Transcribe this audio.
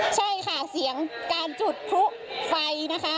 ใช่ค่ะเสียงการจุดพลุไฟนะคะ